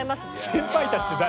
「先輩たち」って誰？